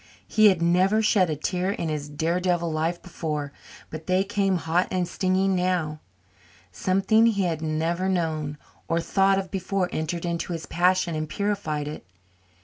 He had never shed a tear in his daredevil life before, but they came hot and stinging now. Something he had never known or thought of before entered into his passion and purified it.